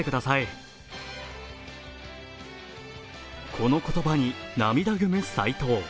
この言葉に涙ぐむ斎藤。